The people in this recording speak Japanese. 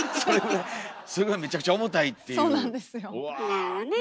なるほどね。